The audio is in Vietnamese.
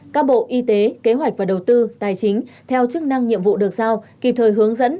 các bộ y tế kế hoạch và đầu tư tài chính theo chức năng nhiệm vụ được giao kịp thời hướng dẫn